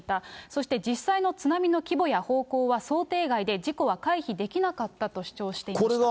そして実際の津波の規模や方向は想定外で、事故は回避できなかったと主張していました。